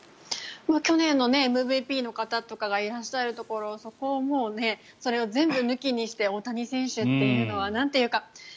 去年のＭＶＰの方とかがいらっしゃるところをそれを全部抜きにして大谷選手というのはなんというか。